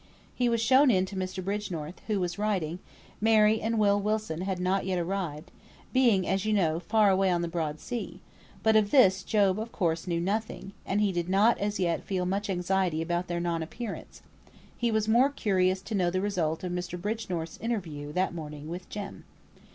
He was shown in to Mr. Bridgenorth, who was writing. Mary and Will Wilson had not yet arrived, being, as you know, far away on the broad sea; but of this Job of course knew nothing, and he did not as yet feel much anxiety about their non appearance; he was more curious to know the result of Mr. Bridgenorth's interview that morning with Jem.